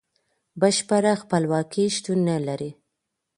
بشپړه خپلواکي شتون نلري.